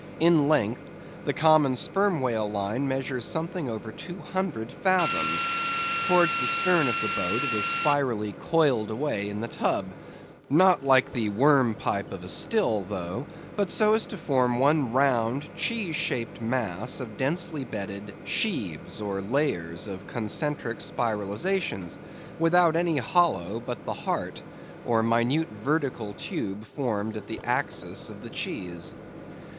In length, the common sperm whale line measures something over two hundred fathoms. Towards the stern of the boat it is spirally coiled away in the tub, not like the worm pipe of a still though, but so as to form one round, cheese shaped mass of densely bedded "sheaves," or layers of concentric spiralizations, without any hollow but the "heart," or minute vertical tube formed at the axis of the cheese.